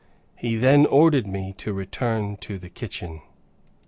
He then ordered me to return to the kitchen.